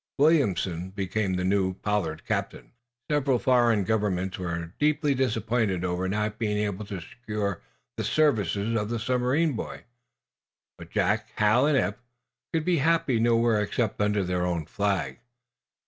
Williamson became the new Pollard captain. Several foreign governments were deeply disappointed over not being able to secure the services of the submarine boys. But Jack, Hal and Eph could be happy nowhere except under their own Flag.